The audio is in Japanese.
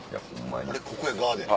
ここやガーデン。